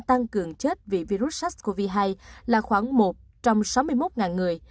tăng cường chết vì virus sars cov hai là khoảng một trăm sáu mươi một người